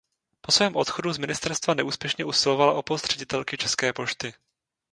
Po svém odchodu z ministerstva neúspěšně usilovala o post ředitelky České pošty.